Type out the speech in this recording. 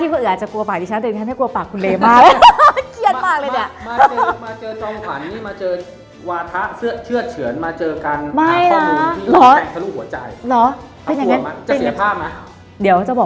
เขากลัวปากคุณแบบ